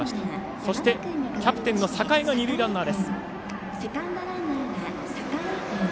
そして、キャプテンの榮が二塁ランナーです。